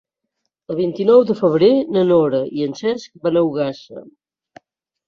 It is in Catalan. El vint-i-nou de febrer na Nora i en Cesc van a Ogassa.